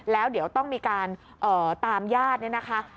แล้วเดี๋ยวต้องมีการตามญาติเนี่ยนะคะ